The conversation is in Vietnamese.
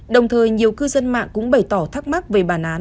đồng thời nhiều cư dân mạng cũng bày tỏ thắc mắc về bản án